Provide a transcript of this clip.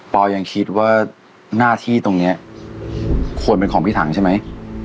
ยังคิดว่าหน้าที่ตรงนี้ควรเป็นของพี่ถังใช่ไหม